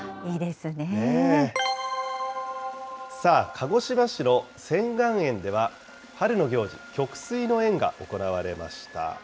鹿児島市の仙厳園では、春の行事、曲水の宴が行われました。